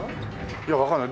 いやわからない。